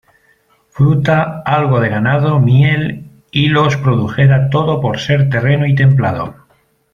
Fruta, algo de ganado, miel, y los produjera todo por ser terreno y templado.